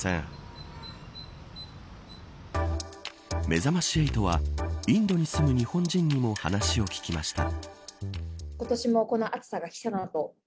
めざまし８はインドに住む日本人にも話を聞きました。